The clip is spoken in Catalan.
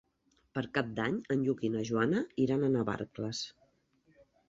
Per Cap d'Any en Lluc i na Joana iran a Navarcles.